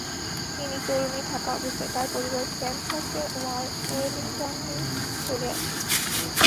তিনি তরুণী থাকা অবস্থায়, তার পরিবার ক্যানসাসের ওয়েলিংটনে চলে আসে।